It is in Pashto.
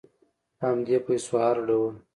په همدې پیسو هر ډول